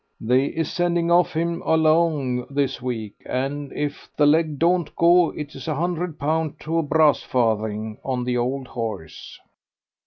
"They is a sending of him along this week, and if the leg don't go it is a hundred pound to a brass farthing on the old horse."